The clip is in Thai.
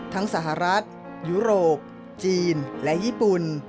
สหรัฐยุโรปจีนและญี่ปุ่น